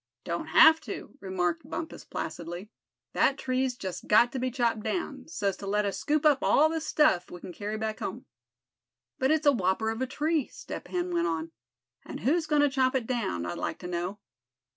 "Don't have to," remarked Bumpus, placidly; "that tree's just got to be chopped down, so's to let us scoop up all the stuff we can carry back home." "But it's a whopper of a tree," Step Hen went on; "and who's goin' to chop it down, I'd like to know?"